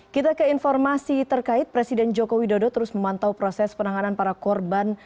kita ke informasi terkait presiden joko widodo terus memantau proses penanganan para korban